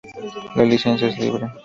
La licencia es libre.